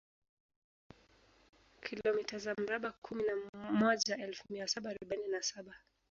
Kilomita za mraba kumi na moja elfu mia saba arobaini na saba